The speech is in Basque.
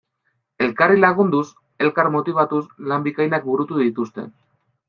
Elkarri lagunduz, elkar motibatuz, lan bikainak burutu dituzte.